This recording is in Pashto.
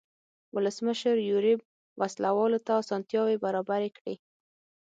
ولسمشر یوریب وسله والو ته اسانتیاوې برابرې کړې.